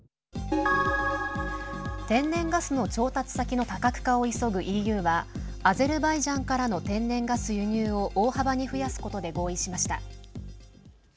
天然ガスの調達先の多角化を急ぐＥＵはアゼルバイジャンからの天然ガス輸入を大幅に増やすことで合意しました。